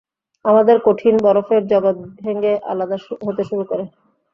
আমাদের কঠিন বরফের জগৎ ভেঙে আলাদা হতে শুরু করে।